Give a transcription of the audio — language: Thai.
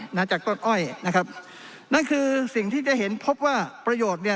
หลังจากต้นอ้อยนะครับนั่นคือสิ่งที่จะเห็นพบว่าประโยชน์เนี่ย